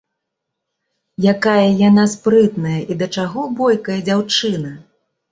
Якая яна спрытная і да чаго бойкая дзяўчына!